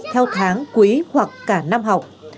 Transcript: theo tháng quý hoặc cả năm học